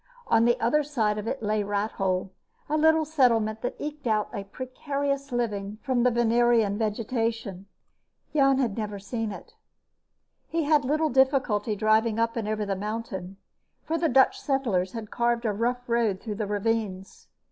On the other side of it lay Rathole, a little settlement that eked a precarious living from the Venerian vegetation. Jan never had seen it. He had little difficulty driving up and over the mountain, for the Dutch settlers had carved a rough road through the ravines.